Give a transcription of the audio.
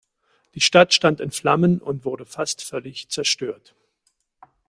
Die Stadt stand in Flammen und wurde fast völlig zerstört.